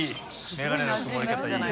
眼鏡のくもり方いい！